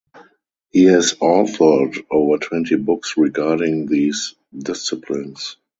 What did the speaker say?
He has authored over twenty books regarding these disciplines.